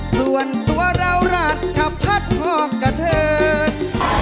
ส่วนตัวเราราชพัดหอมกระเทิน